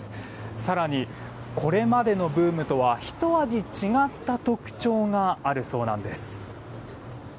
更に、これまでのブームとはひと味違った特徴があるそうなんです。